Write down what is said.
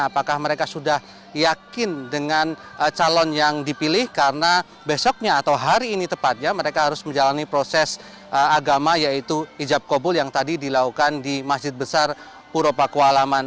apakah mereka sudah yakin dengan calon yang dipilih karena besoknya atau hari ini tepatnya mereka harus menjalani proses agama yaitu ijab kobul yang tadi dilakukan di masjid besar puro pakualaman